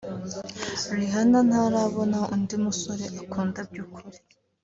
Rihanna ntarabona undi musore akunda by’ukuri